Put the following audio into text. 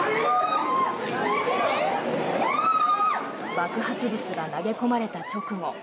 爆発物が投げ込まれた直後